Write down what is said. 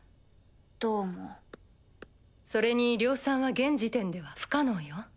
タッタッそれに量産は現時点では不可能よ。